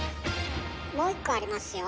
もう一個ありますよ。